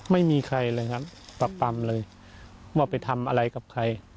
ไม่มีใครเลยครับปรับปำเลยว่าไปทำอะไรกับใคร